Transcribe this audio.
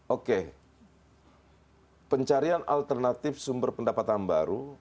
oke pencarian alternatif sumber pendapatan baru